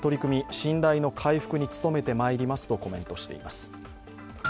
信頼の回復に努めてまいりますとコメントしています。